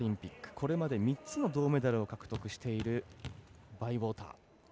これまで３つの銅メダルを獲得しているバイウォーター。